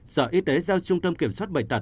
sở y tế giao trung tâm kiểm soát bệnh tật